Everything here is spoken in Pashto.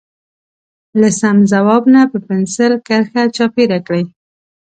له سم ځواب نه په پنسل کرښه چاپېره کړئ.